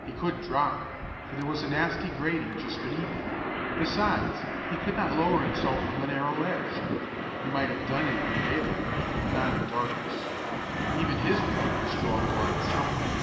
He couldn't drop, for there was a nasty grating just beneath him; besides, he could not lower himself from the narrow ledge. He might have done it in daylight, but not in darkness. Even his pluck must draw the line somewhere.